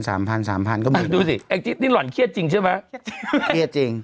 สามพันสามพันก็เหมือนดูสิแองจี้นี่หล่อนเครียดจริงใช่ไหมเครียดจริง